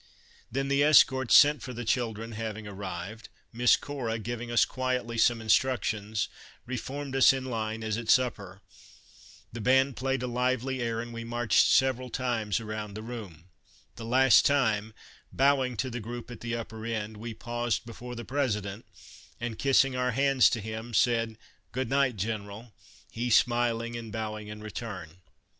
Then the escorts sent for the children having arrived, Miss Cora, giving us quietly some instructions, reformed us in line as at supper, the band played a lively air and we marched several times around the room. The last time, bowing to the group at the upper end, we paused before the m me White House in Old Hlckorv's Dav President, and kissing our hands to him said, " Good night, General "; he smiling and bowing in return.